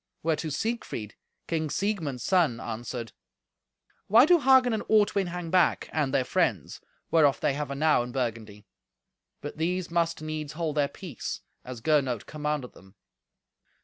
Whereto Siegfried, King Siegmund's son, answered, "Why do Hagen and Ortwin hang back, and their friends, whereof they have enow in Burgundy?" But these must needs hold their peace, as Gernot commanded them.